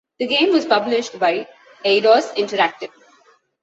The game was published by Eidos Interactive.